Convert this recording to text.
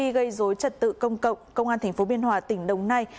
khi gây dối trật tự công cộng công an tp biên hòa tỉnh đồng nai